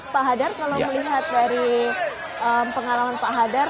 pak hadar kalau melihat dari pengalaman pak hadar